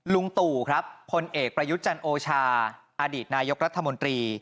ลุงตู่ครับพลเอกประยุทธ์จันโอชาอดีตนายกรัฐมนตรี